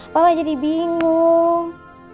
papa jadi bingung